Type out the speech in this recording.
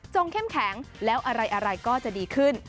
เข้มแข็งแล้วอะไรก็จะดีขึ้น